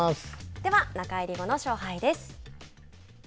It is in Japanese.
では、中入り後の勝敗です。